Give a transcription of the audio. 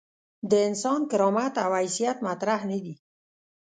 د انسان کرامت او حیثیت مطرح نه دي.